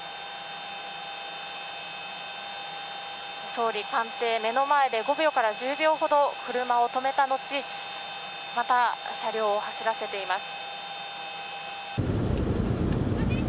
総理官邸目の前で５秒から１０秒ほど車を止めた後また車両を走らせています。